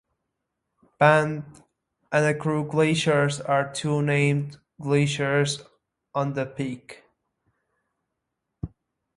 Bend and Crook Glaciers are the two named glaciers on the peak.